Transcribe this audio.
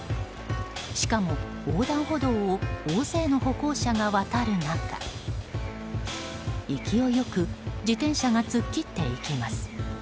しかも、横断歩道を大勢の歩行者が渡る中勢いよく自転車が突っ切っていきます。